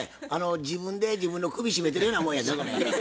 自分で自分の首絞めてるようなもんやでそれ。